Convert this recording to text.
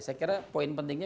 saya kira poin pentingnya